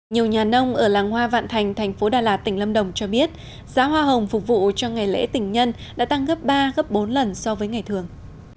nhiều nhà nông ở làng hoa vạn thành thành phố đà lạt tỉnh lâm đồng cho biết giá hoa hồng phục vụ cho ngày lễ tình nhân đã tăng gấp ba gấp bốn lần so với ngày thường